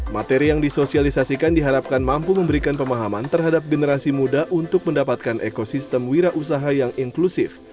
materi yang disosialisasikan diharapkan mampu memberikan pemahaman terhadap generasi muda untuk mendapatkan ekosistem wira usaha yang inklusif